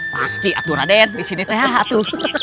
pasti atu raden di sini th atu